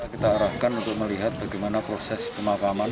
kita arahkan untuk melihat bagaimana proses pemakaman